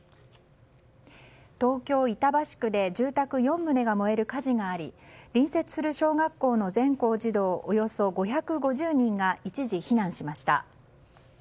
東京・板橋区で住宅４棟が燃える火事があり隣接する小学校の全校児童およそ５５０人が一時避難しました。